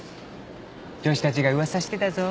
女子たちが噂してたぞ。